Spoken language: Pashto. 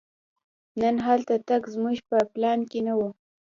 نن هلته تګ زموږ په پلان کې نه و.